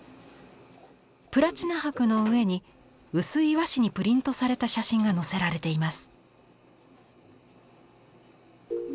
プラチナ箔の上に薄い和紙にプリントされた写真がのせられています。